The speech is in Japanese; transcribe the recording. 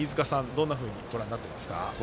どんなふうにご覧になってますか。